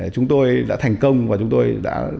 chúng tôi đã thành công và chúng tôi đã